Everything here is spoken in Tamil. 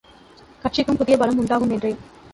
கட்சிக்கும் புதிய பலம் உண்டாகும் என்றேன்.